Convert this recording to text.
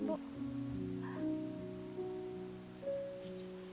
ibu ini kok ada dua